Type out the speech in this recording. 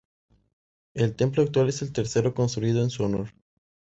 El templo actual es el tercero construido en su honor.